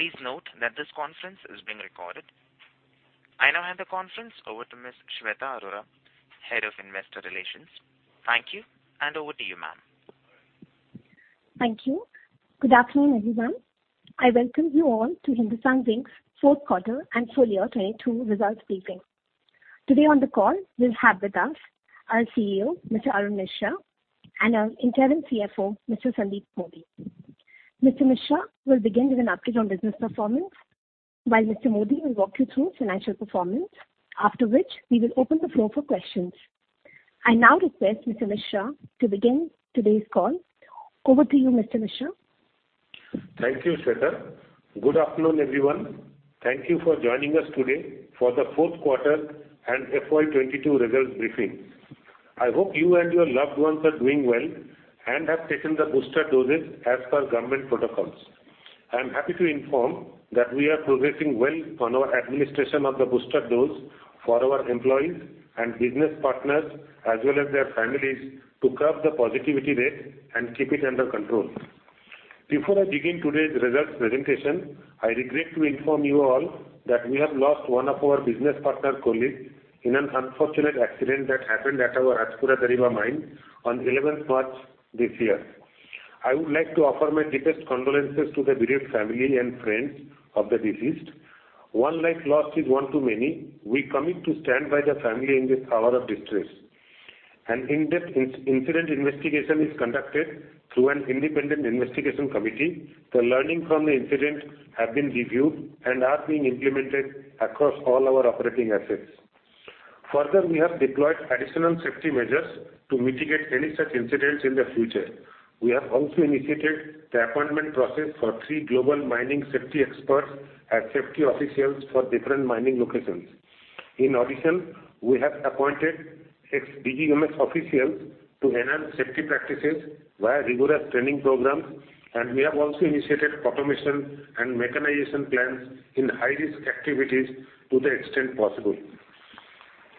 Please note that this conference is being recorded. I now hand the conference over to Ms. Shweta Arora, Head of Investor Relations. Thank you, and over to you, ma'am. Thank you. Good afternoon, everyone. I welcome you all to Hindustan Zinc's Fourth Quarter and Full Year 2022 Results Briefing. Today on the call, we'll have with us our CEO, Mr. Arun Misra, and our interim CFO, Mr. Sandeep Modi. Mr. Misra will begin with an update on business performance, while Mr. Modi will walk you through financial performance. After which, we will open the floor for questions. I now request Mr. Misra to begin today's call. Over to you, Mr. Misra. Thank you, Shweta. Good afternoon, everyone. Thank you for joining us today for the fourth quarter and FY 2022 results briefing. I hope you and your loved ones are doing well and have taken the booster doses as per government protocols. I am happy to inform that we are progressing well on our administration of the booster dose for our employees and business partners, as well as their families, to curb the positivity rate and keep it under control. Before I begin today's results presentation, I regret to inform you all that we have lost one of our business partner colleagues in an unfortunate accident that happened at our Rajpura Dariba Mine on eleventh March this year. I would like to offer my deepest condolences to the bereaved family and friends of the deceased. One life lost is one too many. We commit to stand by the family in this hour of distress. An in-depth incident investigation is conducted through an independent investigation committee. The learning from the incident have been reviewed and are being implemented across all our operating assets. Further, we have deployed additional safety measures to mitigate any such incidents in the future. We have also initiated the appointment process for 3 global mining safety experts and safety officials for different mining locations. In addition, we have appointed ex-DGMS officials to enhance safety practices via rigorous training programs, and we have also initiated automation and mechanization plans in high-risk activities to the extent possible.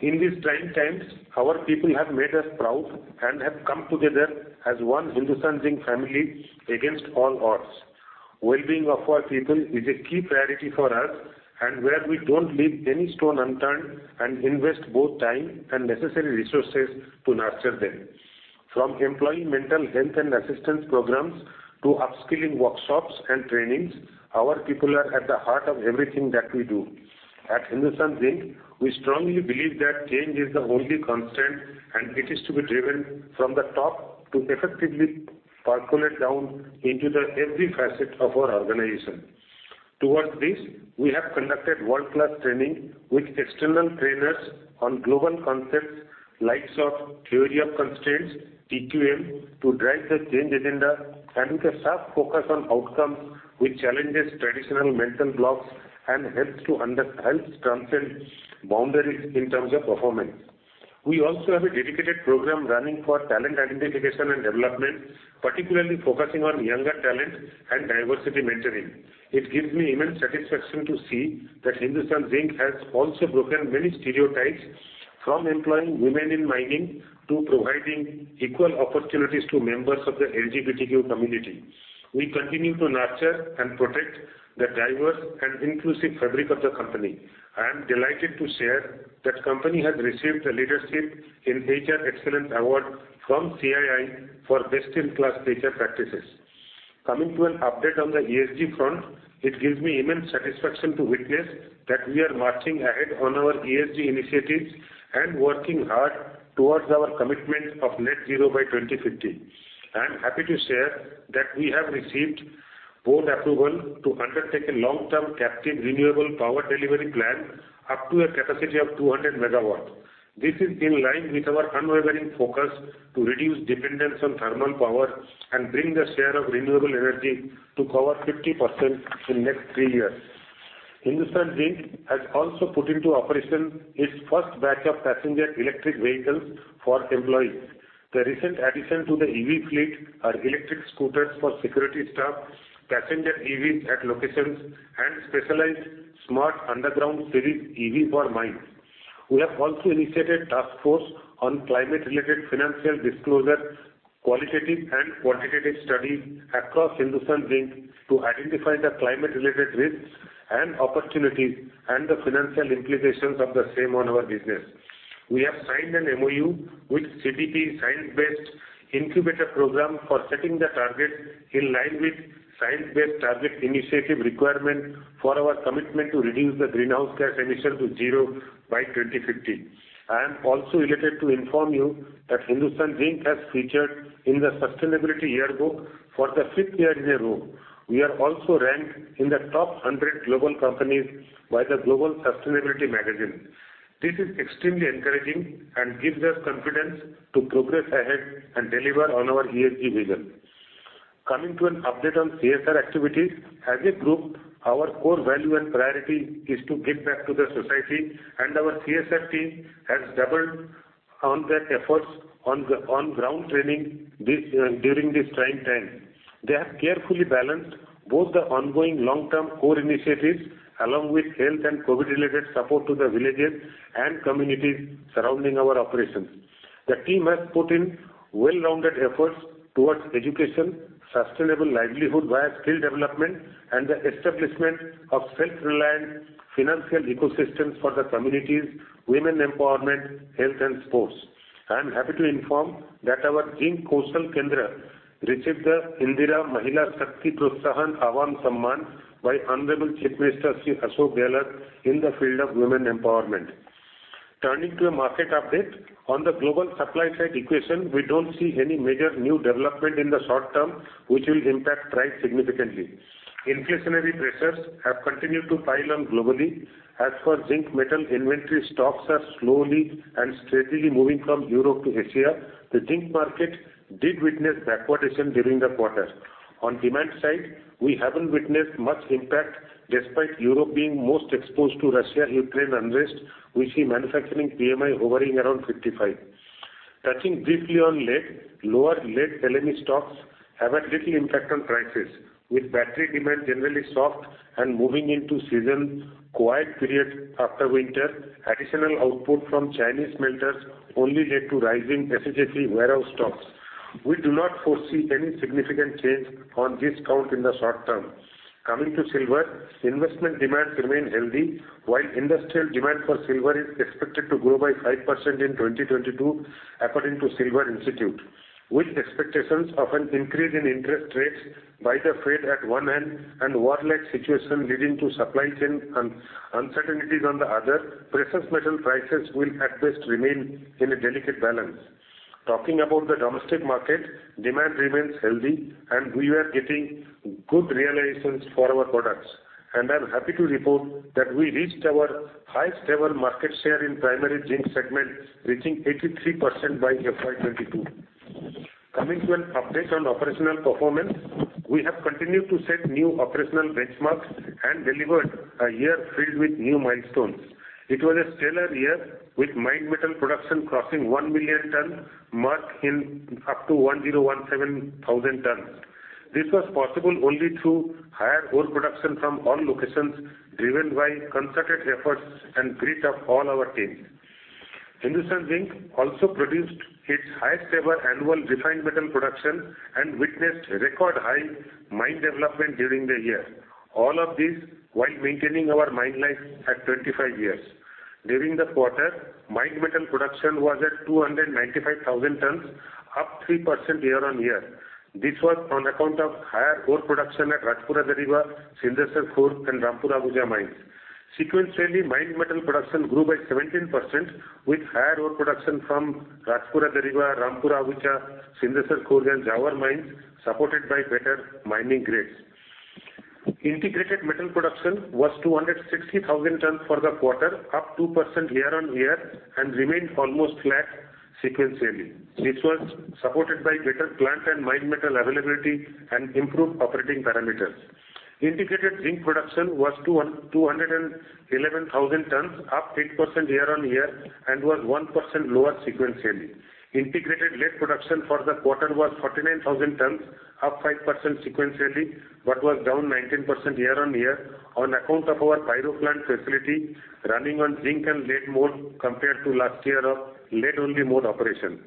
In these trying times, our people have made us proud and have come together as one Hindustan Zinc family against all odds. Well-being of our people is a key priority for us, where we don't leave any stone unturned and invest both time and necessary resources to nurture them. From employee mental health and assistance programs to upskilling workshops and trainings, our people are at the heart of everything that we do. At Hindustan Zinc, we strongly believe that change is the only constant, and it is to be driven from the top to effectively percolate down into every facet of our organization. Towards this, we have conducted world-class training with external trainers on global concepts like theory of constraints, TQM, to drive the change agenda and with a sharp focus on outcomes which challenges traditional mental blocks and helps transcend boundaries in terms of performance. We also have a dedicated program running for talent identification and development, particularly focusing on younger talent and diversity mentoring. It gives me immense satisfaction to see that Hindustan Zinc has also broken many stereotypes from employing women in mining to providing equal opportunities to members of the LGBTQ community. We continue to nurture and protect the diverse and inclusive fabric of the company. I am delighted to share that company has received a Leadership in HR Excellence Award from CII for best in class HR practices. Coming to an update on the ESG front, it gives me immense satisfaction to witness that we are marching ahead on our ESG initiatives and working hard towards our commitment of net zero by 2050. I am happy to share that we have received board approval to undertake a long-term captive renewable power delivery plan up to a capacity of 200 MW. This is in line with our unwavering focus to reduce dependence on thermal power and bring the share of renewable energy to cover 50% in next three years. Hindustan Zinc has also put into operation its first batch of passenger electric vehicles for employees. The recent addition to the EV fleet are electric scooters for security staff, passenger EVs at locations, and specialized smart underground series EV for mine. We have also initiated task force on climate-related financial disclosure, qualitative and quantitative studies across Hindustan Zinc to identify the climate-related risks and opportunities and the financial implications of the same on our business. We have signed an MoU with CDP science-based incubator program for setting the targets in line with Science Based Targets initiative requirement for our commitment to reduce the greenhouse gas emission to zero by 2050. I am also delighted to inform you that Hindustan Zinc has featured in the Sustainability Yearbook for the fifth year in a row. We are also ranked in the top 100 global companies by the Sustainability Magazine. This is extremely encouraging and gives us confidence to progress ahead and deliver on our ESG vision. Coming to an update on CSR activities, as a group, our core value and priority is to give back to the society, and our CSR team has doubled down on their efforts on ground training during this trying time. They have carefully balanced both the ongoing long-term core initiatives along with health and COVID-related support to the villages and communities surrounding our operations. The team has put in well-rounded efforts towards education, sustainable livelihood via skill development, and the establishment of self-reliant financial ecosystems for the communities, women empowerment, health, and sports. I am happy to inform that our Zinc Kaushal Kendra received the Indira Mahila Shakti Protsahan Evam Samman Yojana by Honorable Chief Minister Shri Ashok Gehlot in the field of women empowerment. Turning to a market update. On the global supply side equation, we don't see any major new development in the short term which will impact price significantly. Inflationary pressures have continued to pile on globally. As for zinc metal inventory, stocks are slowly and steadily moving from Europe to Asia. The zinc market did witness backwardation during the quarter. On demand side, we haven't witnessed much impact despite Europe being most exposed to Russia-Ukraine unrest. We see manufacturing PMI hovering around 55. Touching briefly on lead. Lower lead LME stocks have had little impact on prices. With battery demand generally soft and moving into season quiet period after winter, additional output from Chinese smelters only led to rising SHFE warehouse stocks. We do not foresee any significant change on this count in the short term. Coming to silver. Investment demand remained healthy while industrial demand for silver is expected to grow by 5% in 2022 according to Silver Institute. With expectations of an increase in interest rates by the Fed at one end, and war-like situation leading to supply chain uncertainties on the other, precious metal prices will at best remain in a delicate balance. Talking about the domestic market, demand remains healthy, and we are getting good realizations for our products. I'm happy to report that we reached our highest ever market share in primary zinc segment, reaching 83% by FY 2022. Coming to an update on operational performance. We have continued to set new operational benchmarks and delivered a year filled with new milestones. It was a stellar year with mined metal production crossing 1 million ton mark up to 1,017 thousand tons. This was possible only through higher ore production from all locations, driven by concerted efforts and grit of all our teams. Hindustan Zinc also produced its highest ever annual refined metal production and witnessed record high mine development during the year. All of this while maintaining our mine life at 25 years. During the quarter, mined metal production was at 295,000 tons, up 3% year-on-year. This was on account of higher ore production at Rajpura-Dariba, Sindesar Khurd, and Rampura Agucha mines. Sequentially, mined metal production grew by 17% with higher ore production from Rajpura Dariba, Rampura Agucha, Sindesar Khurd, and Zawar mines, supported by better mining grades. Integrated metal production was 260,000 tons for the quarter, up 2% year-over-year, and remained almost flat sequentially. This was supported by better plant and mined metal availability and improved operating parameters. Integrated zinc production was 211,000 tons, up 8% year-over-year, and was 1% lower sequentially. Integrated lead production for the quarter was 49,000 tons, up 5% sequentially, but was down 19% year-over-year on account of our pyro plant facility running on zinc and lead mode compared to last year of lead-only mode operation.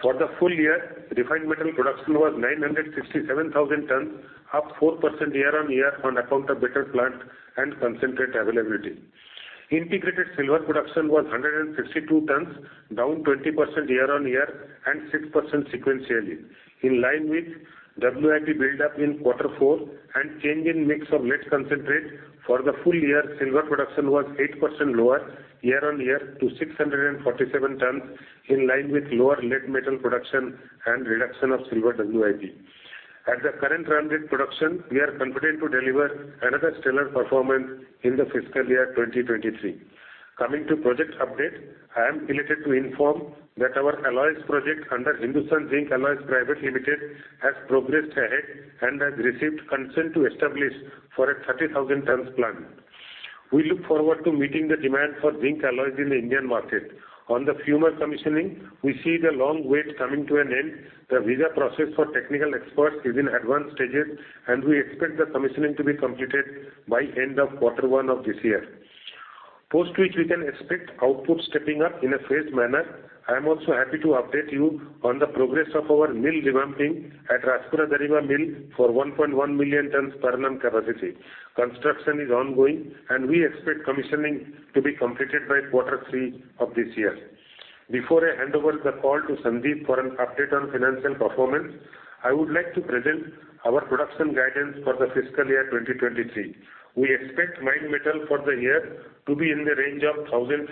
For the full year, refined metal production was 967,000 tons, up 4% year-over-year on account of better plant and concentrate availability. Integrated silver production was 162 tons, down 20% year-over-year and 6% sequentially. In line with WIB buildup in quarter four and change in mix of lead concentrate, for the full year, silver production was 8% lower year-over-year to 647 tons, in line with lower lead metal production and reduction of silver WIB. At the current run rate production, we are confident to deliver another stellar performance in the fiscal year 2023. Coming to project update. I am delighted to inform that our alloys project under Hindustan Zinc Alloys Private Limited has progressed ahead and has received consent to establish for a 30,000 tons plant. We look forward to meeting the demand for zinc alloys in the Indian market. On the Fumer commissioning, we see the long wait coming to an end. The visa process for technical experts is in advanced stages, and we expect the commissioning to be completed by end of quarter 1 of this year. Post which we can expect output stepping up in a phased manner. I am also happy to update you on the progress of our mill revamping at Rajpura-Dariba mill for 1.1 million tons per annum capacity. Construction is ongoing, and we expect commissioning to be completed by quarter 3 of this year. Before I hand over the call to Sandip for an update on financial performance, I would like to present our production guidance for the fiscal year 2023. We expect mined metal for the year to be in the range of 1,050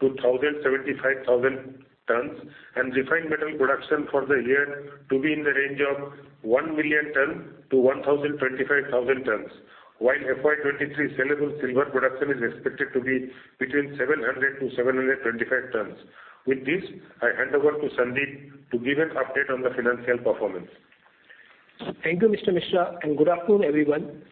to 1,075 thousand tons, and refined metal production for the year to be in the range of 1 million tons to 1,025 thousand tons. While FY 2023 saleable silver production is expected to be between 700 to 725 tons. With this, I hand over to Sandip to give an update on the financial performance. Thank you, Mr. Misra, and good afternoon, everyone.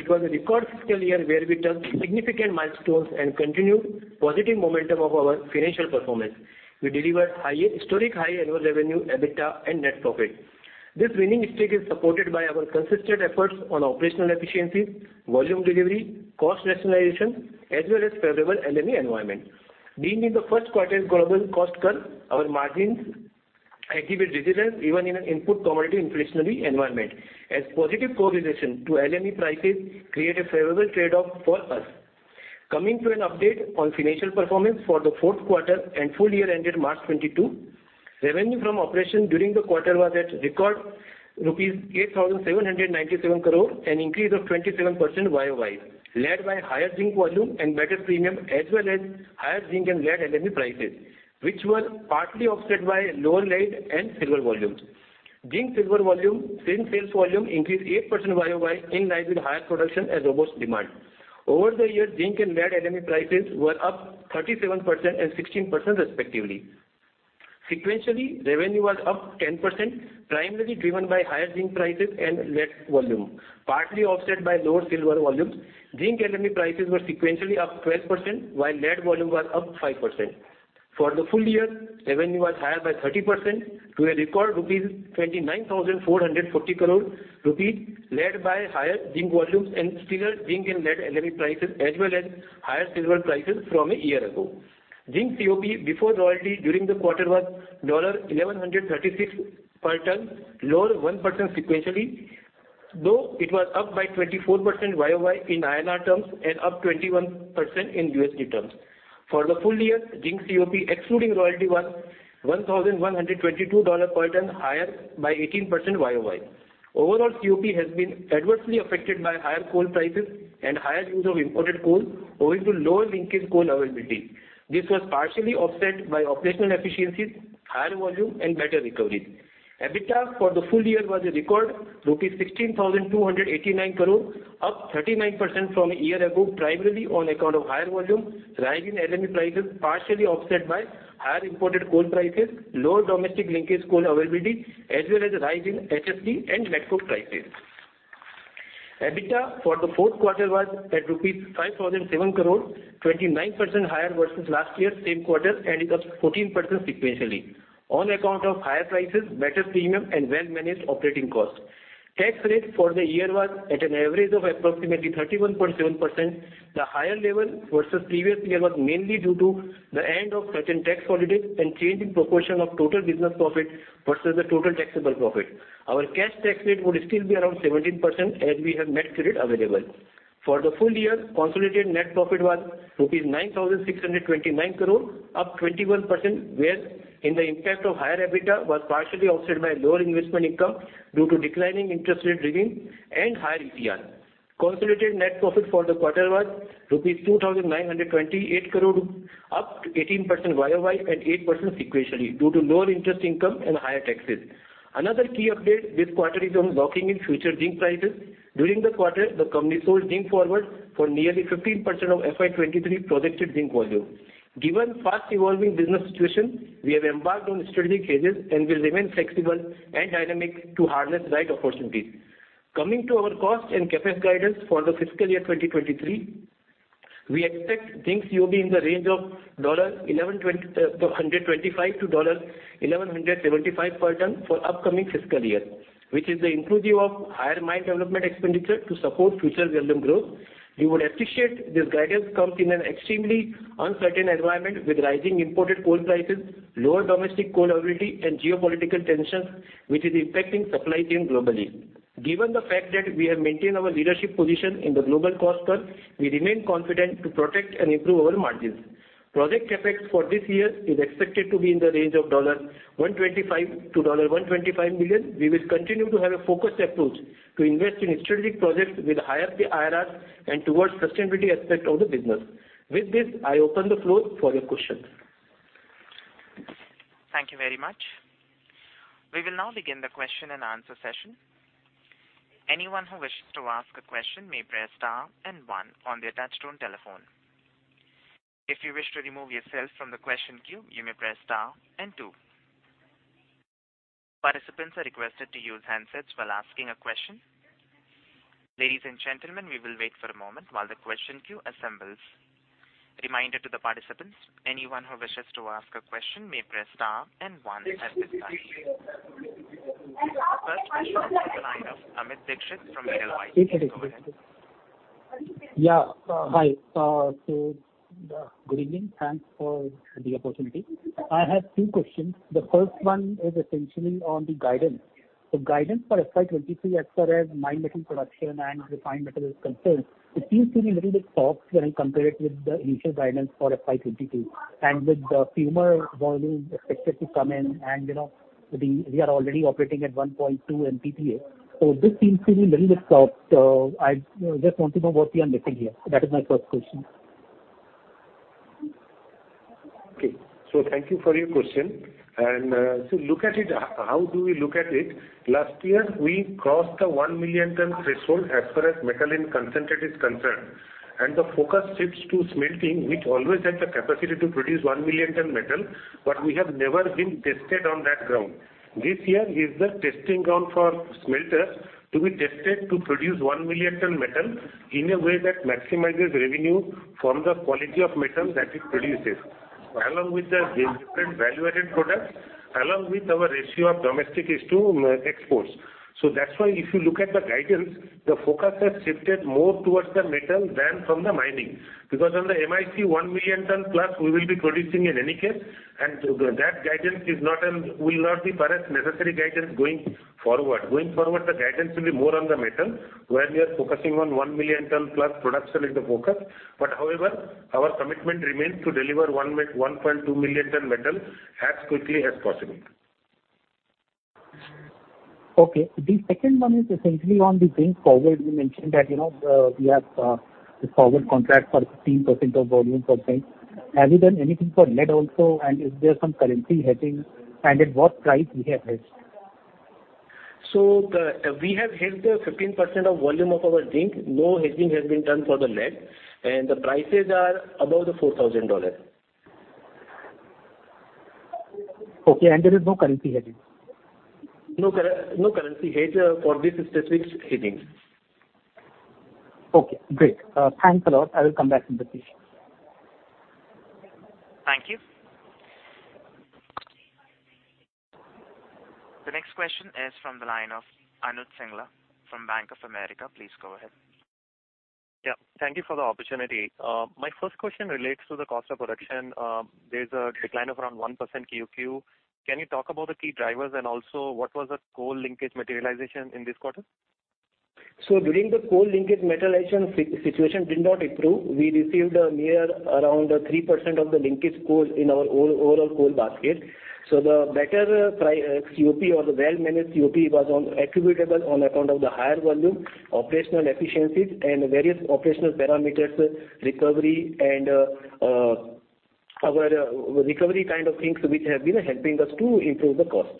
It was a record fiscal year where we touched significant milestones and continued positive momentum of our financial performance. We delivered higher historic high annual revenue, EBITDA, and net profit. This winning streak is supported by our consistent efforts on operational efficiencies, volume delivery, cost rationalization, as well as favorable LME environment. Being in the first quartile global cost curve, our margins exhibit resilience even in an input commodity inflationary environment. A positive correlation to LME prices create a favorable trade-off for us. Coming to an update on financial performance for the fourth quarter and full year ended March 2022. Revenue from operations during the quarter was at record rupees 8,797 crore, an increase of 27% YoY, led by higher zinc volume and better premium, as well as higher zinc and lead LME prices, which were partly offset by lower lead and silver volumes. Zinc sales volume increased 8% YoY in line with higher production and robust demand. Over the year, zinc and lead LME prices were up 37% and 16% respectively. Sequentially, revenue was up 10%, primarily driven by higher zinc prices and lead volume, partly offset by lower silver volumes. Zinc LME prices were sequentially up 12%, while lead volume was up 5%. For the full year, revenue was higher by 30% to a record 29,440 crore rupees, led by higher zinc volumes and stronger zinc and lead LME prices, as well as higher silver prices from a year ago. Zinc COP before royalty during the quarter was $1,136 per ton, lower 1% sequentially, though it was up by 24% YoY in INR terms and up 21% in USD terms. For the full year, zinc COP excluding royalty was $1,122 per ton, higher by 18% YoY. Overall, COP has been adversely affected by higher coal prices and higher use of imported coal owing to lower linkage coal availability. This was partially offset by operational efficiencies, higher volume and better recovery. EBITDA for the full year was a record 16,289 crore rupees, up 39% from a year ago, primarily on account of higher volume, rise in LME prices, partially offset by higher imported coal prices, lower domestic linkage coal availability as well as rise in HSD and network prices. EBITDA for the fourth quarter was at rupees 5,007 crore, 29% higher versus last year same quarter, and it was 14% sequentially on account of higher prices, better premium and well-managed operating costs. Tax rate for the year was at an average of approximately 31.7%. The higher level versus previous year was mainly due to the end of certain tax holidays and change in proportion of total business profit versus the total taxable profit. Our cash tax rate would still be around 17% as we have net credit available. For the full year, consolidated net profit was rupees 9,629 crore, up 21%, whereas the impact of higher EBITDA was partially offset by lower investment income due to declining interest rate regime and higher ETR. Consolidated net profit for the quarter was 2,928 crore rupees, up 18% YoY and 8% sequentially due to lower interest income and higher taxes. Another key update this quarter is on locking in future zinc prices. During the quarter, the company sold zinc forward for nearly 15% of FY 2023 projected zinc volume. Given fast evolving business situation, we have embarked on strategic hedges and will remain flexible and dynamic to harness right opportunities. Coming to our cost and CapEx guidance for the fiscal year 2023, we expect zinc COP in the range of $1,125 to $1,175 per ton for upcoming fiscal year, which is inclusive of higher mine development expenditure to support future volume growth. We would appreciate this guidance comes in an extremely uncertain environment with rising imported coal prices, lower domestic coal availability and geopolitical tensions, which is impacting supply chain globally. Given the fact that we have maintained our leadership position in the global cost curve, we remain confident to protect and improve our margins. Project CapEx for this year is expected to be in the range of $125-$125 million. We will continue to have a focused approach to invest in strategic projects with higher IRR and towards sustainability aspect of the business. With this, I open the floor for your questions. Thank you very much. We will now begin the question-and-answer session. Anyone who wishes to ask a question may press star and one on the touchtone telephone. If you wish to remove yourself from the question queue, you may press star and two. Participants are requested to use handsets while asking a question. Ladies and gentlemen, we will wait for a moment while the question queue assembles. Reminder to the participants, anyone who wishes to ask a question may press star and one at this time. The first question on the line of Amit Dixit from Edelweiss. Go ahead. Yeah. Hi. Good evening. Thanks for the opportunity. I have two questions. The first one is essentially on the guidance. The guidance for FY 2023 as far as mine metal production and refined metal is concerned, it seems to be a little bit soft when I compare it with the initial guidance for FY 2022 and with the fumer volume expected to come in and, you know, we are already operating at 1.2 MTPA. This seems to be a little bit soft. I just want to know what we are missing here. That is my first question. Okay. Thank you for your question. Look at it. How do we look at it? Last year, we crossed the 1 million ton threshold as far as metal in concentrate is concerned, and the focus shifts to smelting, which always had the capacity to produce 1 million ton metal, but we have never been tested on that ground. This year is the testing ground for smelters to be tested to produce 1 million ton metal in a way that maximizes revenue from the quality of metal that it produces. Along with the different value-added products, along with our ratio of domestic to exports. That's why if you look at the guidance, the focus has shifted more towards the metal than from the mining. Because on the MIC 1 million ton plus we will be producing in any case, and that guidance will not be perhaps necessary guidance going forward. Going forward, the guidance will be more on the metal, where we are focusing on 1 million ton plus production is the focus. However, our commitment remains to deliver 1.2 million ton metal as quickly as possible. Okay. The second one is essentially on the zinc forward. You mentioned that, you know, we have the forward contract for 15% of volume sold. Have you done anything for lead also, and is there some currency hedging, and at what price we have hedged? We have hedged the 15% of volume of our zinc. No hedging has been done for the lead. The prices are above the $4,000. Okay, there is no currency hedging? No currency hedge for this specific hedging. Okay, great. Thanks a lot. I will come back if need be. Thank you. The next question is from the line of Anuj Singla from Bank of America. Please go ahead. Yeah. Thank you for the opportunity. My first question relates to the cost of production. There's a decline of around 1% QoQ. Can you talk about the key drivers and also what was the coal linkage materialization in this quarter? During the coal linkage materialization, situation did not improve. We received near around 3% of the linkage coal in our overall coal basket. The better COP or the well-managed COP was attributable on account of the higher volume, operational efficiencies and various operational parameters, recovery and our recovery kind of things which have been helping us to improve the cost.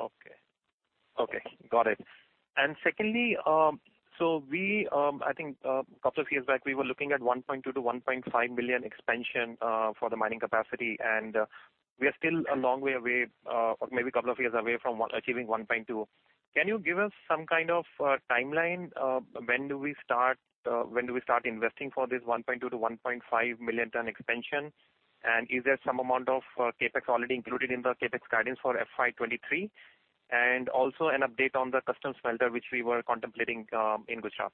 Okay. Okay, got it. Secondly, I think a couple of years back, we were looking at 1.2-1.5 million expansion for the mining capacity, and we are still a long way away or maybe a couple of years away from achieving 1.2. Can you give us some kind of timeline when we start investing for this 1.2-1.5 million ton expansion? Is there some amount of CapEx already included in the CapEx guidance for FY 2023? Also an update on the custom smelter which we were contemplating in Gujarat.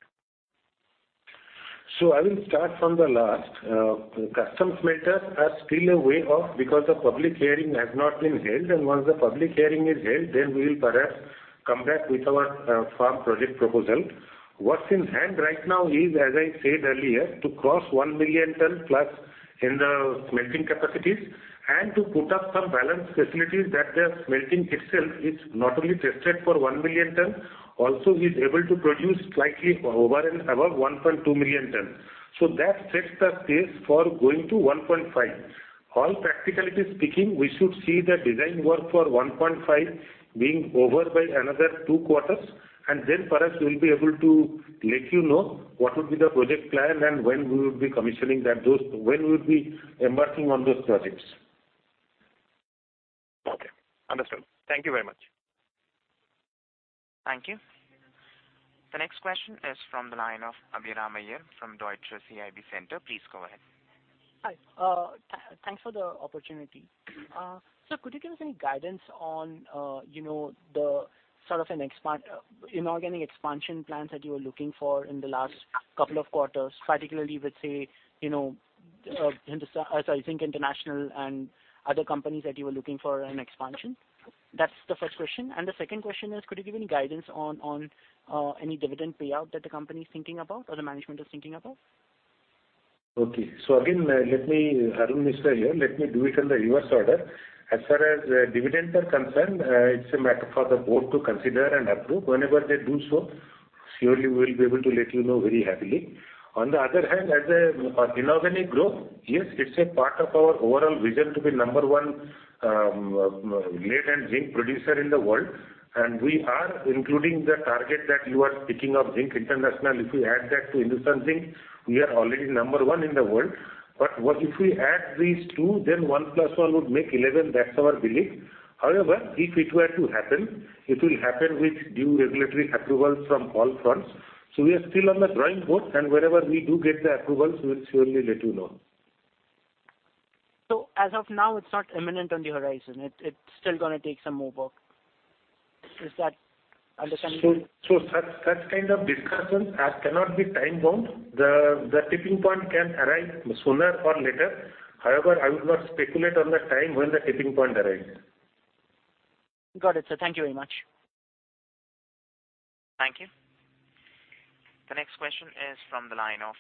I will start from the last. The custom smelters are still a way off because the public hearing has not been held, and once the public hearing is held, then we will perhaps come back with our firm project proposal. What's in hand right now is, as I said earlier, to cross 1 million tons plus in the smelting capacities and to put up some balance facilities that the smelting itself is not only tested for 1 million tons, also is able to produce slightly over and above 1.2 million tons. That sets the pace for going to 1.5. All practicalities speaking, we should see the design work for 1.5 being over by another 2 quarters, and then perhaps we'll be able to let you know what would be the project plan and when we would be commissioning that. when we would be embarking on those projects. Okay. Understood. Thank you very much. Thank you. The next question is from the line of Abhiram Iyer from Deutsche CIB Centre. Please go ahead. Hi. Thanks for the opportunity. Sir, could you give us any guidance on, you know, the sort of an inorganic expansion plans that you were looking for in the last couple of quarters, particularly with, say, you know, Zinc International and other companies that you were looking for an expansion? That's the first question. The second question is could you give any guidance on any dividend payout that the company is thinking about or the management is thinking about? Arun Misra here. Let me do it in the reverse order. As far as dividends are concerned, it's a matter for the board to consider and approve. Whenever they do so, surely we'll be able to let you know very happily. On the other hand, as an inorganic growth, yes, it's a part of our overall vision to be number one lead and zinc producer in the world, and we are including the target that you are speaking of, Zinc International. If you add that to Hindustan Zinc, we are already number one in the world. What if we add these two, then one plus one would make eleven. That's our belief. However, if it were to happen, it will happen with due regulatory approvals from all fronts. We are still on the drawing board, and wherever we do get the approvals, we'll surely let you know. As of now, it's not imminent on the horizon. It's still gonna take some more work. Is that understandable? Such kind of discussions as cannot be time-bound. The tipping point can arrive sooner or later. However, I will not speculate on the time when the tipping point arrives. Got it, sir. Thank you very much. Thank you. The next question is from the line of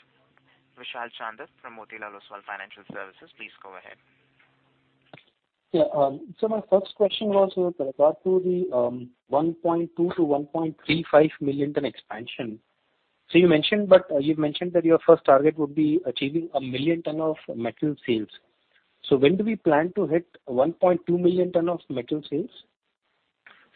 Vishal Chandak from Motilal Oswal Financial Services. Please go ahead. Yeah. My first question was with regard to the 1.2 to 1.35 million ton expansion. You've mentioned that your first target would be achieving 1 million ton of metal sales. When do we plan to hit 1.2 million ton of metal sales?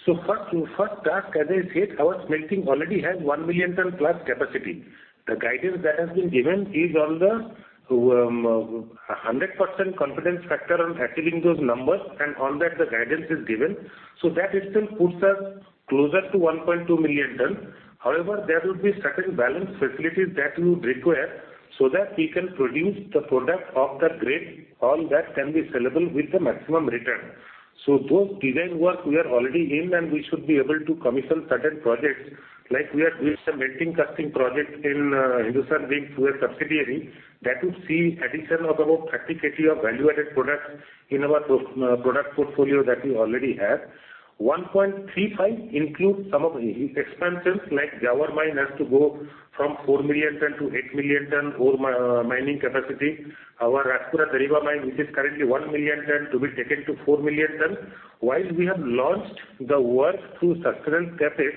First task, as I said, our smelting already has 1 million ton plus capacity. The guidance that has been given is on the a hundred percent confidence factor on achieving those numbers, and on that the guidance is given. That itself puts us closer to 1.2 million tons. However, there would be certain balance facilities that we would require so that we can produce the product of the grade all that can be sellable with the maximum return. Those design work we are already in, and we should be able to commission certain projects like we are doing some melting casting project in Hindustan Zinc, we have subsidiary that would see addition of about 30 KT of value-added products in our product portfolio that we already have. 1.35 includes some of the expansions, like Zawar Mine has to go from 4 million tonnes to 8 million tonnes ore mining capacity. Our Rajpura-Dariba mine, which is currently 1 million tonne, to be taken to 4 million tonnes. While we have launched the work through sustenance CapEx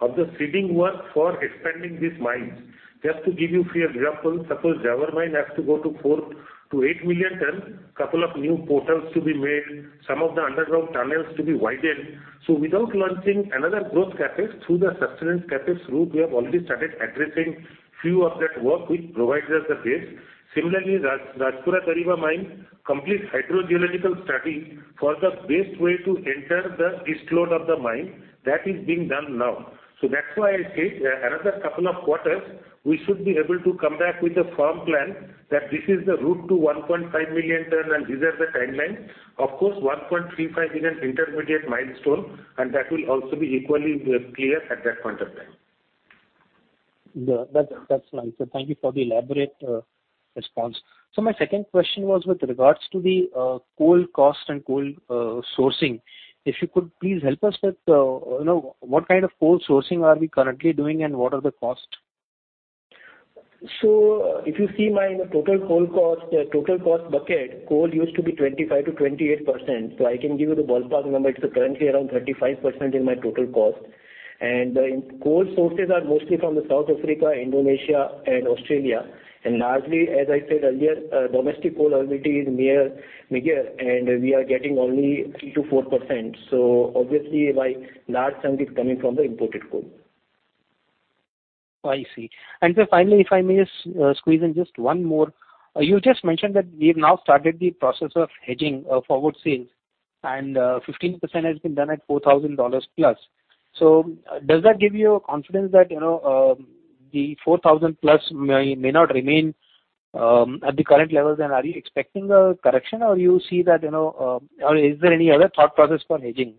of the seeding work for expanding these mines. Just to give you a few examples, suppose Zawar Mine has to go to 4 to 8 million tonnes, couple of new portals to be made, some of the underground tunnels to be widened. Without launching another growth CapEx, through the sustenance CapEx route, we have already started addressing a few of that work which provides us the base. Similarly, Rajpura-Dariba mine complete hydrogeological study for the best way to enter the east lode of the mine that is being done now. That's why I said another couple of quarters, we should be able to come back with a firm plan that this is the route to 1.5 million tonne, and these are the timelines. Of course, 1.35 million intermediate milestone, and that will also be equally clear at that point of time. Yeah, that's fine. Thank you for the elaborate response. My second question was with regards to the coal cost and coal sourcing. If you could please help us with you know, what kind of coal sourcing are we currently doing and what are the costs? If you see my total coal cost, total cost bucket, coal used to be 25%-28%. I can give you the ballpark number. It's currently around 35% in my total cost. The coal sources are mostly from South Africa, Indonesia and Australia. Largely, as I said earlier, domestic coal availability is merely meager, and we are getting only 3%-4%. Obviously my large chunk is coming from the imported coal. I see. Sir, finally, if I may just squeeze in just one more. You just mentioned that we've now started the process of hedging forward sales and 15% has been done at $4,000+. Does that give you confidence that, you know, the $4,000+ may not remain at the current levels? Are you expecting a correction or you see that, you know, or is there any other thought process for hedging?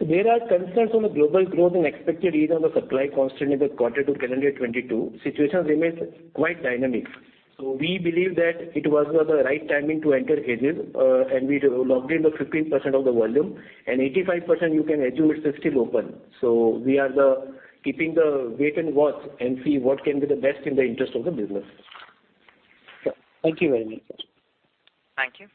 There are concerns on the global growth and expected ease on the supply constraint in the quarter 2 calendar 2022. Situations remain quite dynamic. We believe that it was the right timing to enter hedges. We locked in the 15% of the volume and 85% you can assume it is still open. We are keeping the wait and watch and see what can be the best in the interest of the business. Sure. Thank you very much. Thank you.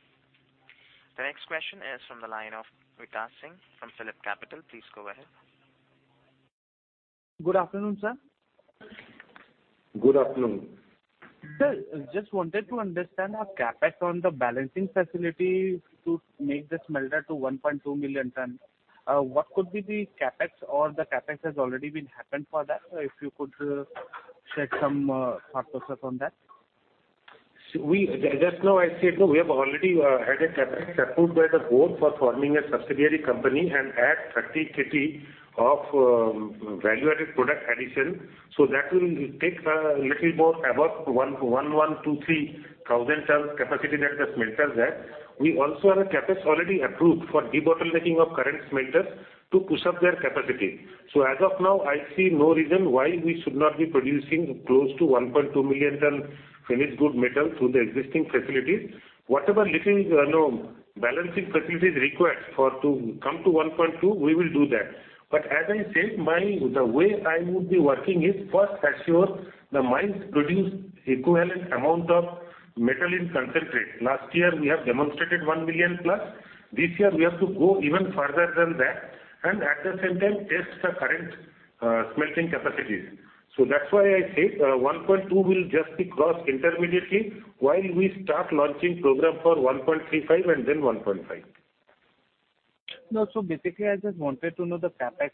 The next question is from the line of Vikash Singh from PhillipCapital. Please go ahead. Good afternoon, sir. Good afternoon. Sir, just wanted to understand our CapEx on the balancing facility to make the smelter to 1.2 million tonnes. What could be the CapEx or the CapEx has already been happened for that? If you could share some thought process on that. Just now I said, we have already added CapEx approved by the board for forming a subsidiary company and add 30 KT of value-added product addition. That will take a little more above 1.1-1.3 thousand tonne capacity that the smelter has. We also have a CapEx already approved for debottlenecking of current smelter to push up their capacity. As of now, I see no reason why we should not be producing close to 1.2 million tonnes finished good metal through the existing facilities. Whatever little balancing facilities required for to come to 1.2, we will do that. As I said, the way I would be working is first assure the mines produce equivalent amount of metal in concentrate. Last year we have demonstrated 1 million plus. This year we have to go even further than that and at the same time test the current smelting capacities. That's why I said 1.2 will just be crossed intermediately while we start launching program for 1.35 and then 1.5. No. Basically, I just wanted to know the CapEx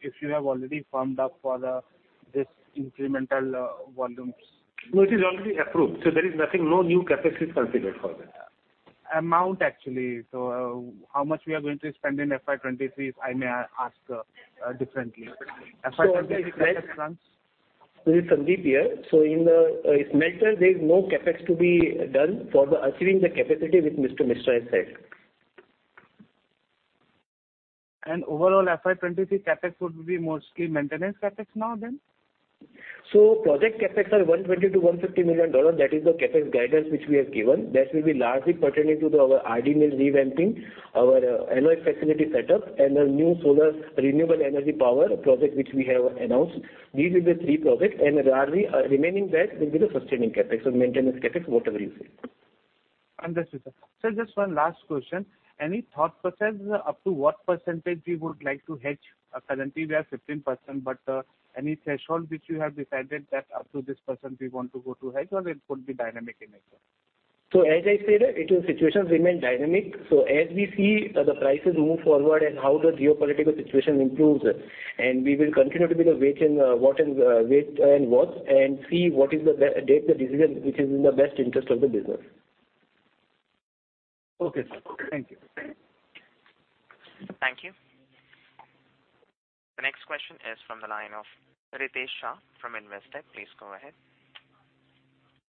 if you have already firmed up for this incremental volumes. No, it is already approved, so there is nothing. No new CapEx is considered for that. Amount actually. How much we are going to spend in FY 2023, if I may ask, differently. FY 2023 CapEx plans. This is Sandip here. In the smelter there is no CapEx to be done for achieving the capacity which Mr. Mishra has said. Overall FY 2023 CapEx would be mostly maintenance CapEx now then? Project CapEx are $120 million-$150 million. That is the CapEx guidance which we have given. That will be largely pertaining to our RD mill revamping, our alloy facility setup and the new solar renewable energy power project which we have announced. These will be three projects and the remaining that will be the sustaining CapEx or maintenance CapEx, whatever you say. Understood, sir. Sir, just one last question. Any thought process up to what percentage we would like to hedge? Currently we are 15%, but any threshold which you have decided that up to this percent we want to go to hedge or it would be dynamic in nature? Situations remain dynamic. As we see the prices move forward and how the geopolitical situation improves, we will continue to wait and watch and see what decision is to be taken which is in the best interest of the business. Okay, sir. Thank you. Thank you. The next question is from the line of Ritesh Shah from Investec. Please go ahead.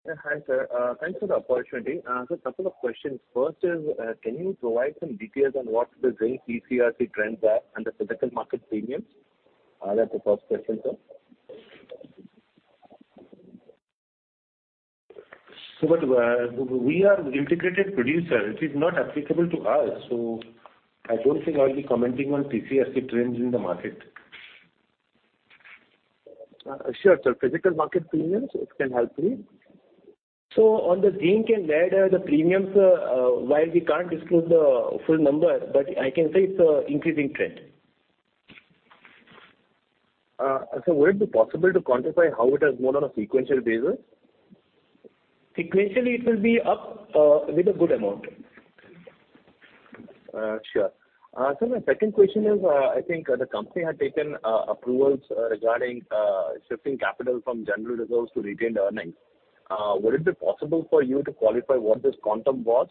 Yeah, hi, sir. Thanks for the opportunity. Couple of questions. First is, can you provide some details on what the zinc TC/RC trends are and the physical market premiums? That's the first question, sir. We are integrated producer. It is not applicable to us, so I don't think I'll be commenting on TC/RC trends in the market. Sure, sir. Physical market premiums, it can help me. On the zinc and lead, the premiums, while we can't disclose the full number, but I can say it's an increasing trend. Would it be possible to quantify how it has gone on a sequential basis? Sequentially, it will be up, with a good amount. Sure. My second question is, I think the company had taken approvals regarding shifting capital from general reserves to retained earnings. Would it be possible for you to qualify what this quantum was?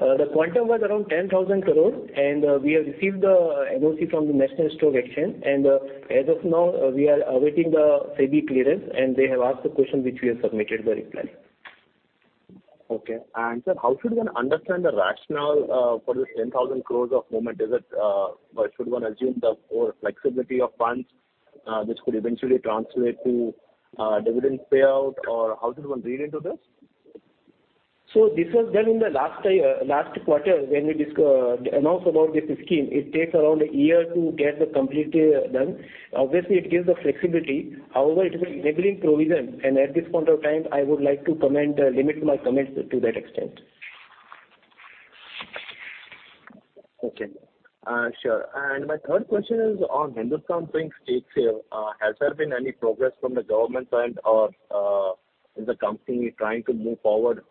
The quantum was around 10,000 crore, and we have received the NOC from the National Stock Exchange. As of now, we are awaiting the SEBI clearance, and they have asked a question which we have submitted the reply. Okay. Sir, how should one understand the rationale for this 10,000 crore movement? Is it or should one assume more flexibility of funds, which could eventually translate to dividend payout or how does one read into this? This was done in the last year, last quarter when we announced about this scheme. It takes around a year to get it completely done. Obviously, it gives the flexibility. However, it is an enabling provision, and at this point of time, I would like to limit my comments to that extent. Okay. Sure. My third question is on Hindustan Zinc stake sale. Has there been any progress from the government side or is the company trying to move forward?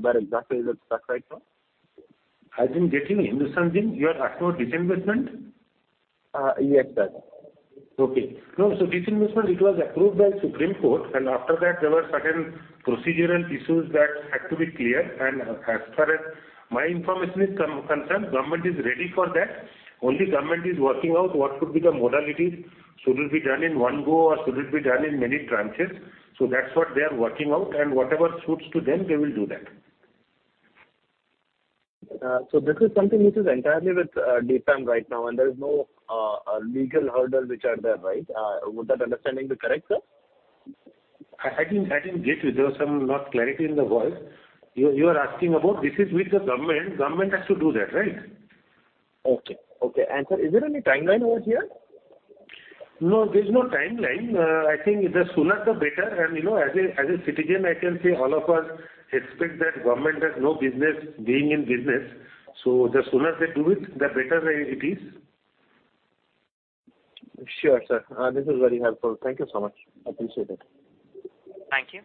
Where exactly is it stuck right now? I didn't get you. Hindustan Zinc, you are asking of disinvestment? Yes, sir. Okay. No, disinvestment, it was approved by Supreme Court, and after that there were certain procedural issues that had to be cleared. As far as my information is concerned, government is ready for that. Only government is working out what could be the modalities. Should it be done in one go or should it be done in many tranches? That's what they are working out, and whatever suits to them, they will do that. This is something which is entirely with DIPAM right now, and there is no legal hurdles which are there, right? Would that understanding be correct, sir? I didn't get you. There was some noise, not clarity in the voice. You are asking about this? This is with the government. Government has to do that, right? Okay. Sir, is there any timeline over here? No, there's no timeline. I think the sooner the better. You know, as a citizen, I can say all of us expect that government has no business being in business. The sooner they do it, the better it is. Sure, sir. This is very helpful. Thank you so much. I appreciate it. Thank you.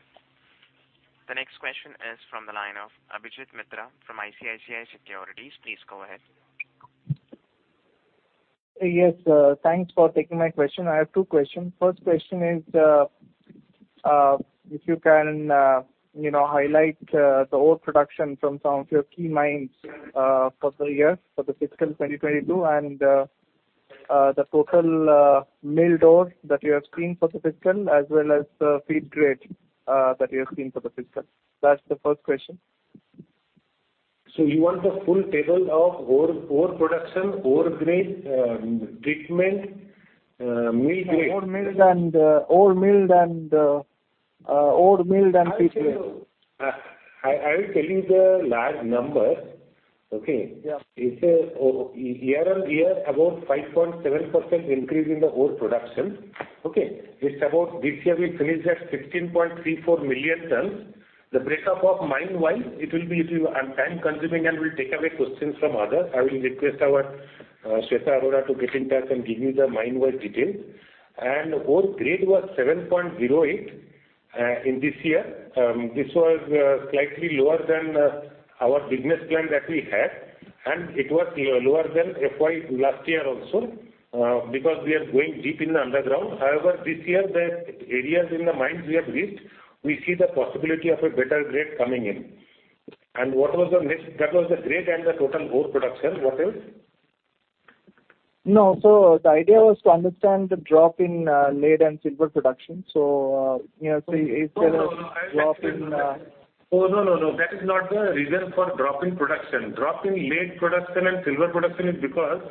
The next question is from the line of Abhijit Mitra from ICICI Securities. Please go ahead. Yes, thanks for taking my question. I have two questions. First question is, if you can, you know, highlight the ore production from some of your key mines, for the year, for the fiscal 2022, and the total milled ore that you have seen for the fiscal as well as the feed grade that you have seen for the fiscal. That's the first question. You want the full table of ore production, ore grade, treatment, mill grade? Ore milled and feed grade. I'll tell you. I will tell you the large number. Okay? Yeah. It's year-on-year, about 5.7% increase in the ore production. It's about this year we finished at 15.34 million tons. The break-up mine-wise, it will be too time-consuming, and will take away questions from others. I will request our Shweta Arora to get in touch and give you the mine-wise details. Ore grade was 7.08 in this year. This was slightly lower than our business plan that we had, and it was lower than FY last year also, because we are going deep in the underground. However, this year the areas in the mines we have reached, we see the possibility of a better grade coming in. What was the next? That was the grade and the total ore production. What else? No. The idea was to understand the drop in lead and silver production. You know, is there a No. -drop in, uh- Oh, no, no. That is not the reason for drop in production. Drop in lead production and silver production is because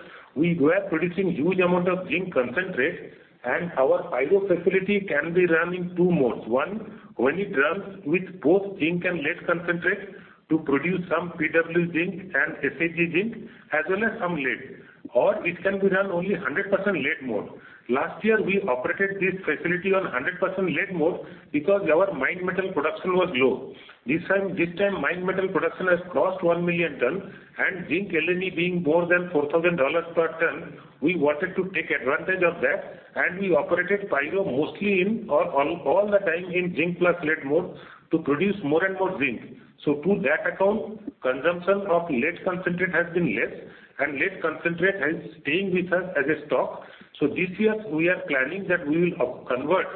we were producing huge amount of zinc concentrate and our pyro facility can be run in two modes. One, when it runs with both zinc and lead concentrate to produce some PW zinc and SHG zinc as well as some lead. Or it can be run only 100% lead mode. Last year, we operated this facility on 100% lead mode because our mine metal production was low. This time mine metal production has crossed 1,000,000 tons and zinc LME being more than $4,000 per ton, we wanted to take advantage of that, and we operated pyro mostly in or all the time in zinc plus lead mode to produce more and more zinc. To that account, consumption of lead concentrate has been less and lead concentrate is staying with us as a stock. This year we are planning that we will up convert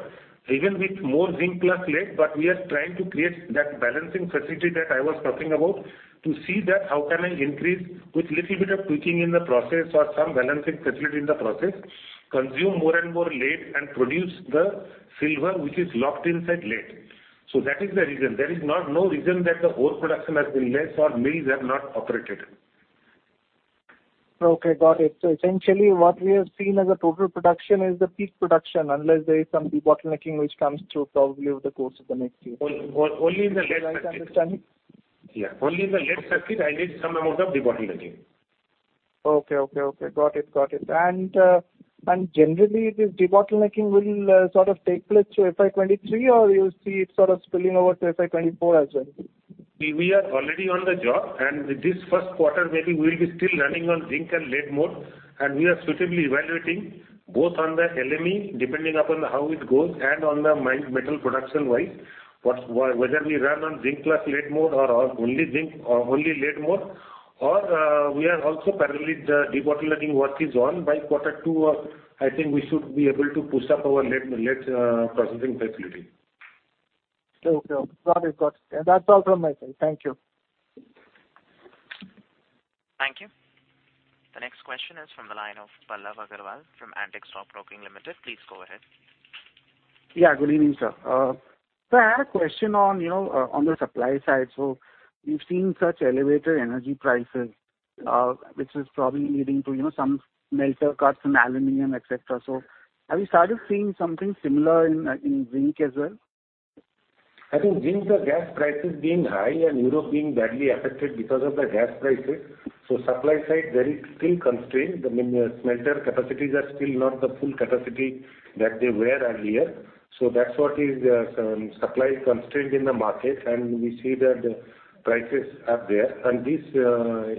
even with more zinc plus lead, but we are trying to create that balancing facility that I was talking about to see that how can I increase with little bit of tweaking in the process or some balancing facility in the process, consume more and more lead and produce the silver which is locked inside lead. That is the reason. There is no reason that the ore production has been less or mills have not operated. Okay, got it. Essentially what we have seen as a total production is the peak production, unless there is some debottlenecking which comes through probably over the course of the next year. Only in the lead sector. Did I understand it? Yeah. Only in the lead sector I need some amount of debottlenecking. Okay. Got it. Generally this debottlenecking will sort of take place through FY 2023 or you see it sort of spilling over to FY 2024 as well? We are already on the job, and this first quarter maybe we'll be still running on zinc and lead mode, and we are suitably evaluating both on the LME, depending upon how it goes, and on the mined metal production-wise, whether we run on zinc plus lead mode or on only zinc or only lead mode. We are also parallel, the debottlenecking work is on. By quarter two, I think we should be able to push up our lead processing facility. Okay. Got it. That's all from my side. Thank you. Thank you. The next question is from the line of Pallav Agarwal from Antique Stock Broking Limited. Please go ahead. Yeah, good evening, sir. I had a question on, you know, on the supply side. We've seen such elevated energy prices, which is probably leading to, you know, some smelter cuts in aluminum, et cetera. Have you started seeing something similar in zinc as well? I think zinc, the gas prices being high and Europe being badly affected because of the gas prices. Supply side, there is still constraint. I mean, the smelter capacities are still not the full capacity that they were earlier. That's what is some supply constraint in the market. We see that prices are there. This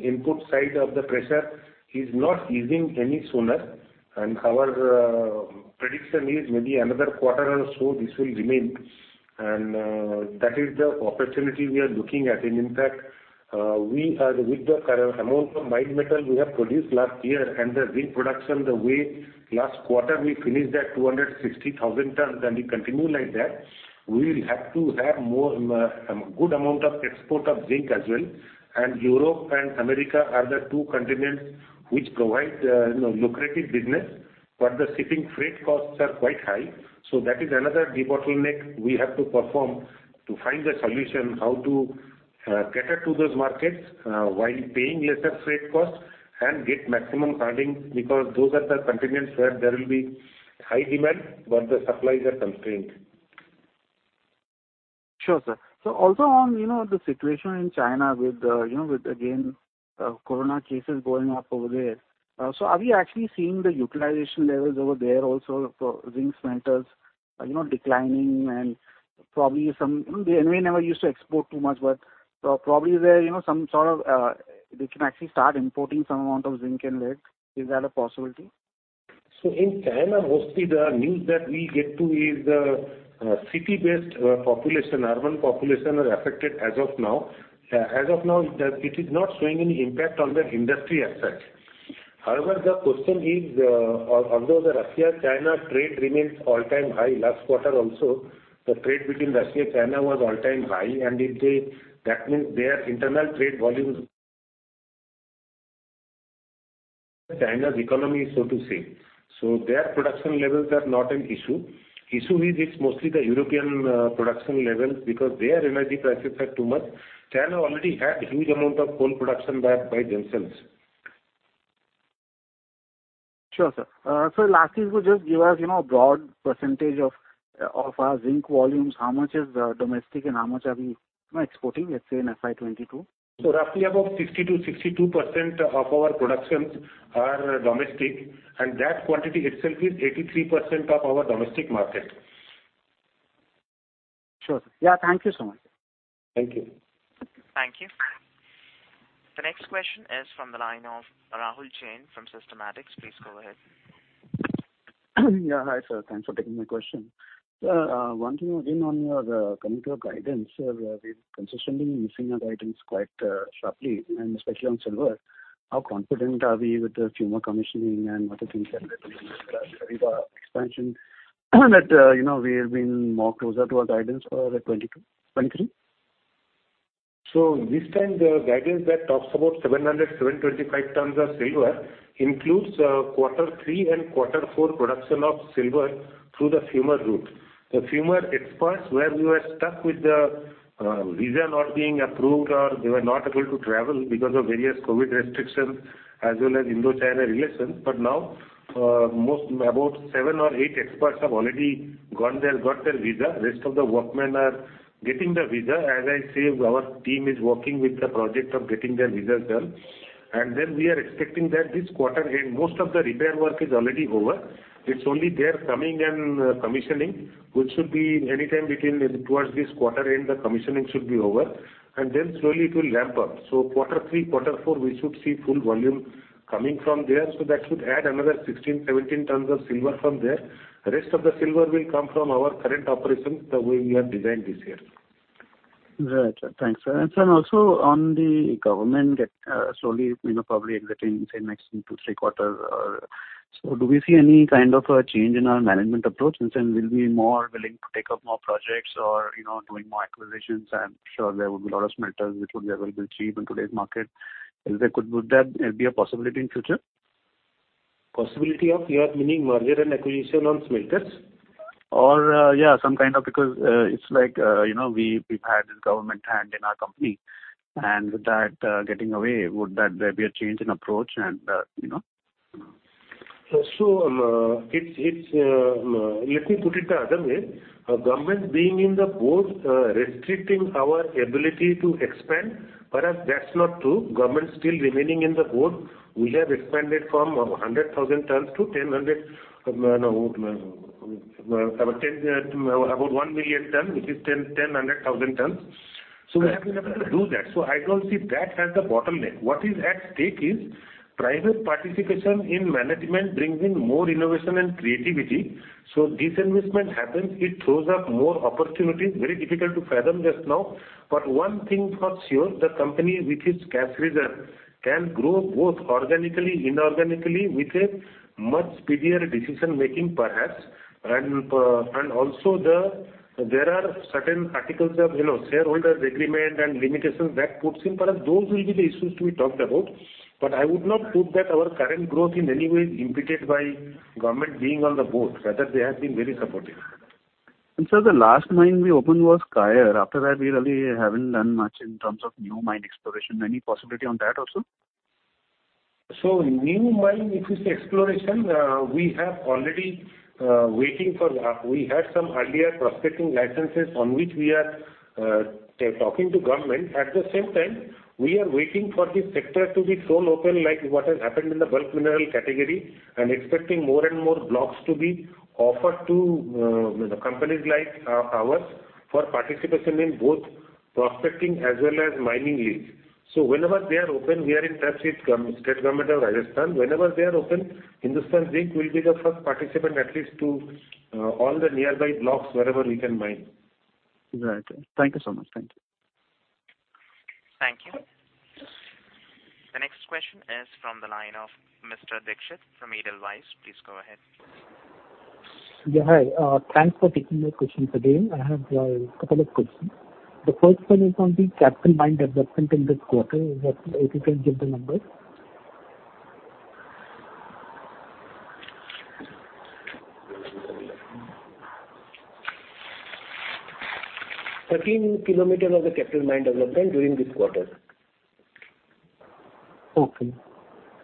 input side of the pressure is not easing any sooner. Our prediction is maybe another quarter or so this will remain. That is the opportunity we are looking at. In fact, we are with the current amount of mined metal we have produced last year and the zinc production the way last quarter we finished at 260,000 tons, and we continue like that, we'll have to have more good amount of export of zinc as well. Europe and America are the two continents which provide, you know, lucrative business, but the shipping freight costs are quite high. That is another bottleneck we have to perform to find a solution how to cater to those markets while paying lesser freight costs and get maximum earnings, because those are the continents where there will be high demand, but the supplies are constrained. Sure, sir. Lastly, could just give us, you know, broad percentage of our zinc volumes, how much is domestic and how much are we, you know, exporting, let's say in FY 2022? Roughly about 60% to 62% of our productions are domestic, and that quantity itself is 83% of our domestic market. Sure, sir. Yeah, thank you so much. Thank you. Thank you. The next question is from the line of Rahul Jain from Systematix. Please go ahead. Yeah, hi, sir. Thanks for taking my question. Wanting to again on your committed guidance, sir. We're consistently missing our guidance quite sharply, and especially on silver. How confident are we with the Fumer commissioning and other things that are happening with the RD expansion that, you know, we have been more closer to our guidance for the 2022-2023? This time the guidance that talks about 700 to 725 tons of silver includes quarter three and quarter four production of silver through the Fumer route. The Fumer experts, where we were stuck with the visa not being approved or they were not able to travel because of various COVID restrictions as well as India-China relations. Now most, about 7 or 8 experts have already gone there, got their visa. Rest of the workmen are getting the visa. As I say, our team is working with the project of getting their visas done. Then we are expecting that this quarter end, most of the repair work is already over. It's only their coming and commissioning, which should be anytime between towards this quarter end, the commissioning should be over. Then slowly it will ramp up. Quarter 3, quarter 4, we should see full volume coming from there. That should add another 16-17 tons of silver from there. Rest of the silver will come from our current operations the way we have designed this year. Right. Thanks, sir. Sir, also on the government slowly, you know, probably exiting, say, next 2, 3 quarters. Do we see any kind of a change in our management approach? Since we'll be more willing to take up more projects or, you know, doing more acquisitions, I'm sure there will be a lot of smelters which will be available cheap in today's market. Could that be a possibility in future? Possibility of you are meaning merger and acquisition on smelters? Because it's like, you know, we've had this government hand in our company, and with that getting away, would there be a change in approach, you know? Let me put it the other way. Government being in the board, restricting our ability to expand. Perhaps that's not true. Government still remaining in the board. We have expanded from 100,000 tons to about 10, about 1 million tons, which is 1,000,000 tons. Yeah. We have been able to do that. I don't see that as a bottleneck. What is at stake is private participation in management brings in more innovation and creativity. Disinvestment happens, it throws up more opportunities. Very difficult to fathom just now. One thing for sure, the company with its cash reserve can grow both organically, inorganically with a much speedier decision-making perhaps. And also there are certain articles of, you know, shareholder agreement and limitations that puts in. Perhaps those will be the issues to be talked about. I would not put that our current growth in any way impeded by government being on the board. Rather, they have been very supportive. Sir, the last mine we opened was Kayad. After that, we really haven't done much in terms of new mine exploration. Any possibility on that also? New mine, if you say exploration, we had some earlier prospecting licenses on which we are talking to government. At the same time, we are waiting for this sector to be thrown open like what has happened in the bulk mineral category, and expecting more and more blocks to be offered to, you know, companies like ours for participation in both prospecting as well as mining leases. Whenever they are open, we are in touch with state government of Rajasthan. Whenever they are open, Hindustan Zinc will be the first participant at least to all the nearby blocks wherever we can mine. Right. Thank you so much. Thank you. Thank you. The next question is from the line of Mr. Dixit from Edelweiss. Please go ahead. Yeah, hi. Thanks for taking my questions again. I have couple of questions. The first one is on the Kayad mine development in this quarter. If you can give the numbers. 13 km of the Kayad Mine development during this quarter. Okay.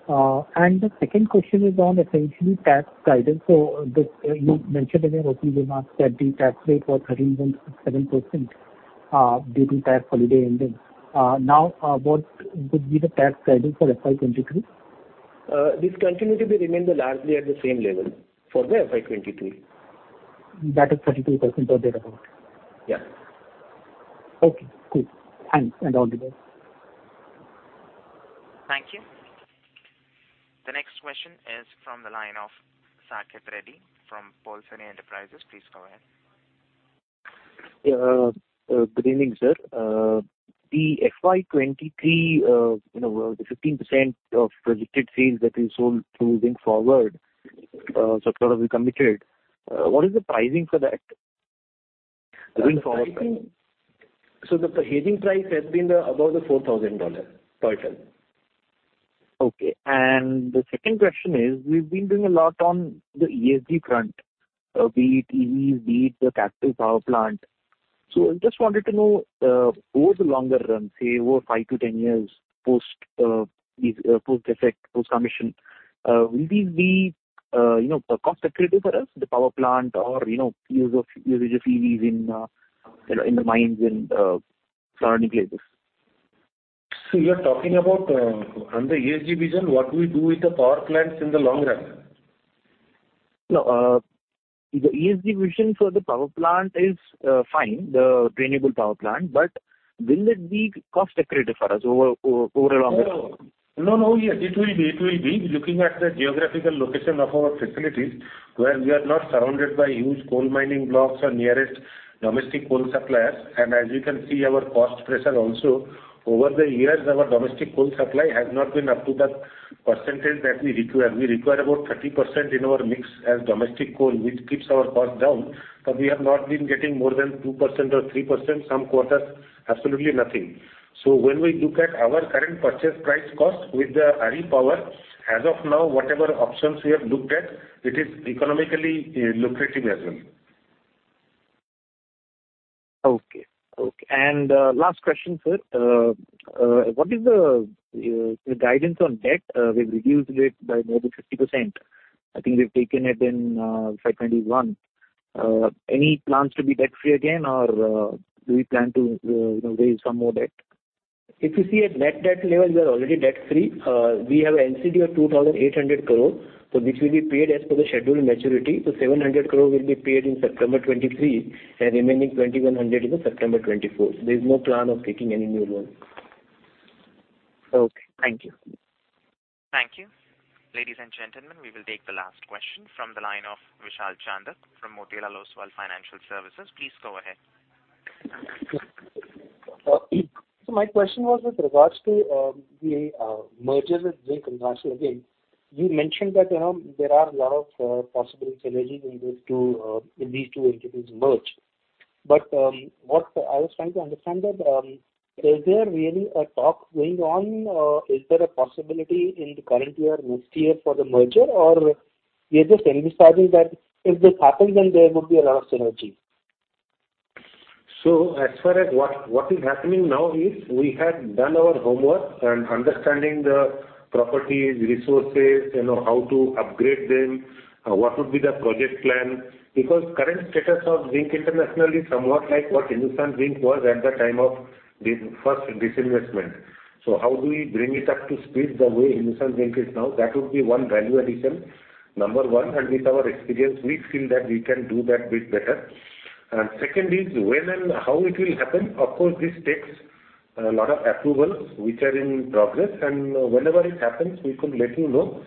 The second question is on essentially tax guidance. You mentioned in your opening remarks that the tax rate was 30.7%, due to tax holiday ending. Now, what would be the tax guidance for FY 2023? This continues to remain largely at the same level for FY 2023. That is 32% or thereabout? Yeah. Okay, cool. Thanks, and all the best. Thank you. The next question is from the line of Saket Reddy from Polsani Enterprises. Please go ahead. Yeah. Good evening, sir. The FY 2023, you know, the 15% of projected sales that you sold through Zinc Forward so far have been committed. What is the pricing for that? The hedging price has been above $4,000 per ton. Okay. The second question is, we've been doing a lot on the ESG front. Be it EVs, be it the Kayad power plant. I just wanted to know, over the longer run, say over 5-10 years, post these effects, post commissioning, will these be, you know, cost accretive for us? The power plant or, you know, usage of EVs in, you know, in the mines and surrounding places? You're talking about on the ESG vision, what we do with the power plants in the long run? No. The ESG vision for the power plant is fine, the renewable power plant. But will it be cost accretive for us over a longer term? No. Yes, it will be. Looking at the geographical location of our facilities, where we are not surrounded by huge coal mining blocks or nearest domestic coal suppliers. As you can see our cost pressure also, over the years, our domestic coal supply has not been up to that percentage that we require. We require about 30% in our mix as domestic coal, which keeps our cost down. We have not been getting more than 2% or 3%, some quarters absolutely nothing. When we look at our current purchase price cost with the RE power, as of now, whatever options we have looked at, it is economically lucrative as well. Okay. Last question, sir. What is the guidance on debt? We've reduced it by more than 50%. I think we've taken it in FY 2021. Any plans to be debt free again or do we plan to, you know, raise some more debt? If you see at net debt level, we are already debt free. We have NCD of 2,800 crore, which will be paid as per the schedule maturity. Seven hundred crore will be paid in September 2023, and remaining 2,100 in September 2024. There's no plan of taking any new loan. Okay. Thank you. Thank you. Ladies and gentlemen, we will take the last question from the line of Vishal Chandak from Motilal Oswal Financial Services. Please go ahead. My question was with regards to the merger with Zinc International again. You mentioned that, you know, there are a lot of possible synergies in those two when these two entities merge. What I was trying to understand that is there really a talk going on, or is there a possibility in the current year, next year for the merger? Or we're just envisaging that if this happens, then there would be a lot of synergy. As far as what is happening now is we have done our homework and understanding the properties, resources, you know, how to upgrade them, what would be the project plan. Because current status of Zinc International is somewhat like what Hindustan Zinc was at the time of the first disinvestment. How do we bring it up to speed the way Hindustan Zinc is now? That would be one value addition, number one. With our experience, we feel that we can do that bit better. Second is when and how it will happen. Of course, this takes a lot of approvals, which are in progress, and whenever it happens, we could let you know.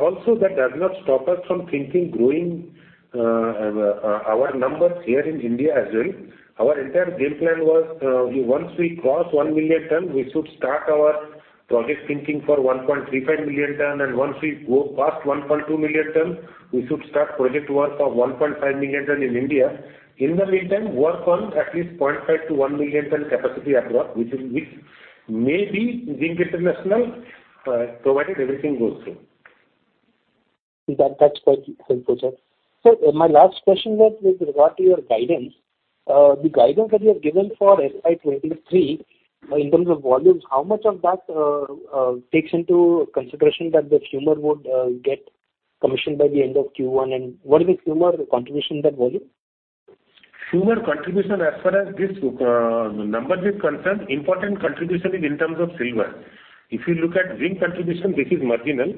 Also that does not stop us from thinking, growing, our numbers here in India as well. Our entire game plan was once we cross 1 million ton, we should start our project thinking for 1.35 million ton. Once we go past 1.2 million ton, we should start project work for 1.5 million ton in India. In the meantime, work on at least 0.5 to 1 million ton capacity abroad, which may be Zinc International, provided everything goes through. That's quite helpful, sir. My last question was with regard to your guidance. The guidance that you have given for FY 2023, in terms of volumes, how much of that takes into consideration that the Fumer would get commissioned by the end of Q1? And what is the Fumer contribution in that volume? Fumer contribution as far as this number is concerned, important contribution is in terms of silver. If you look at zinc contribution, this is marginal.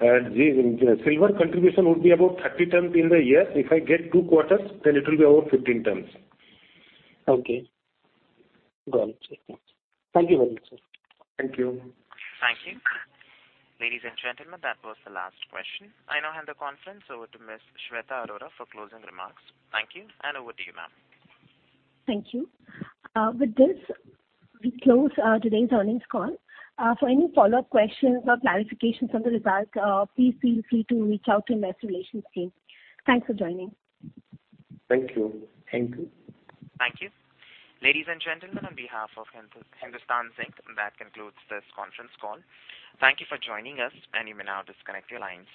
Silver contribution would be about 30 tons in the year. If I get two quarters, then it will be about 15 tons. Okay. Got you. Thank you very much, sir. Thank you. Thank you. Ladies and gentlemen, that was the last question. I now hand the conference over to Ms. Shweta Arora for closing remarks. Thank you, and over to you, ma'am. Thank you. With this, we close today's earnings call. For any follow-up questions or clarifications on the results, please feel free to reach out to Investor Relations team. Thanks for joining. Thank you. Thank you. Thank you. Ladies and gentlemen, on behalf of Hindustan Zinc, that concludes this conference call. Thank you for joining us, and you may now disconnect your lines.